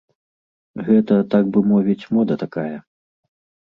Гэта, так бы мовіць, мода такая.